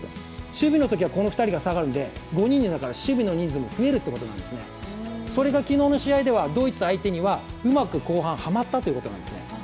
守備のときは、この２人が下がるので５人になるから守備の人数も増えるということ、昨日の試合ではドイツ相手にはうまく後半ハマったということなんですね。